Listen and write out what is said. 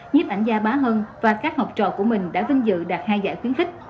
nhiếp ảnh gia bá hân và các học trò của mình đã vinh dự đạt hai giải khuyến khích